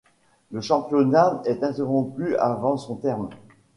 Le championnat est interrompu avant son terme.